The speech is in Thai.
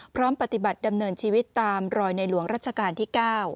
พร้อมปฏิบัติดำเนินชีวิตตามรอยในหลวงรัชกาลที่๙